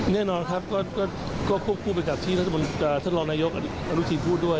แน่นอนครับก็ควบคุมไปจากที่ท่านรอร์นายกอธิบทีพูดด้วย